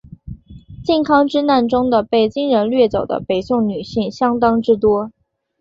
靖康之难中的被金人掠走的北宋女性相当之多。